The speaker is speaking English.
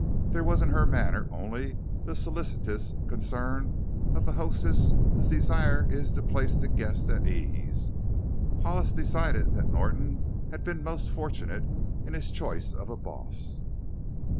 There was in her manner only the solicitous concern of the hostess whose desire is to place a guest at ease. Hollis decided that Norton had been most fortunate in his choice of a "boss."